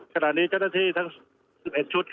ขณะนี้เจ้าหน้าที่ทั้ง๑๑ชุด